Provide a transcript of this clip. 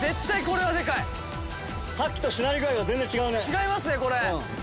違いますねこれ。